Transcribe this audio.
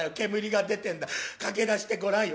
駆け出してごらんよ。